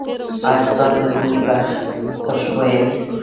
ایا ستاسو بوی به خوشبويه وي؟